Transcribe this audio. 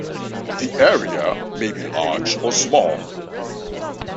The area may be large or small.